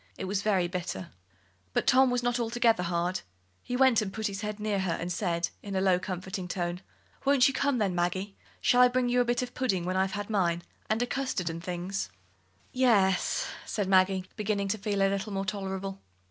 It was very bitter. But Tom was not altogether hard. He went and put his head near her, and said, in a lower, comforting tone: "Won't you come, then, Maggie? Shall I bring you a bit of pudding when I've had mine and a custard and things?" "Ye e es," said Maggie, beginning to feel life a little more tolerable.